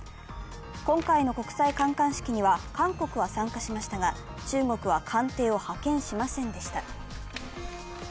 今回の国際観艦式には韓国は参加しましたが、中国は艦艇を派遣しませんでした。